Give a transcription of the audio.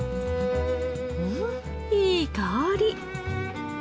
うんいい香り。